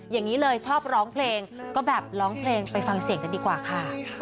อย่างนี้เลยชอบร้องเพลงก็แบบร้องเพลงไปฟังเสียงกันดีกว่าค่ะ